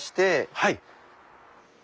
はい。